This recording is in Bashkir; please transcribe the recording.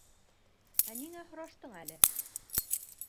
Ә ниңә һораштың әле?